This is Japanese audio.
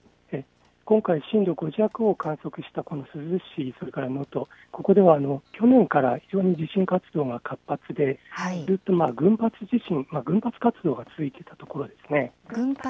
今回、震度５弱を観測した珠洲市、能登、ここでは去年から非常に地震活動が活発で今、群発地震、群発活動が続いているところです。